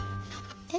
え？